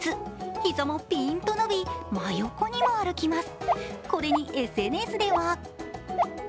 膝もピンと伸び、横にも歩きます。